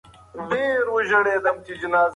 که چېرې تاسو تبه لرئ، نو خپل ډاکټر ته خبر ورکړئ.